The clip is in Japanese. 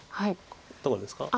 どこですか？